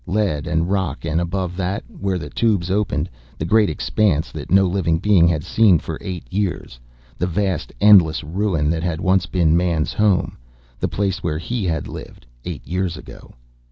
Lead and rock, and above that, where the tubes opened, the great expanse that no living being had seen for eight years, the vast, endless ruin that had once been Man's home, the place where he had lived, eight years ago.